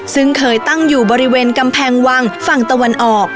ซึ่งเคยตั้งอยู่บริเวณกำแพงวังฝั่งตะวันออก